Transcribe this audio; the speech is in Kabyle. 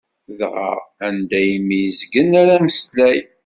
Dɣa anda ur myezgen ara ameslay.